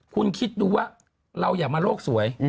คุณคิดดูว่าเราอย่ามาโลกสวย